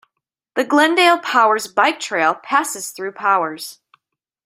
The Glendale-Powers Bike Trail passes through Powers.